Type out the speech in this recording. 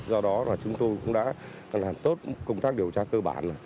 do đó là chúng tôi cũng đã làm tốt công tác điều tra cơ bản